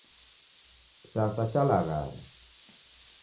Kitasa chalaghaya